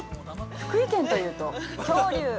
◆福井県というと、恐竜。